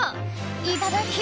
いただき！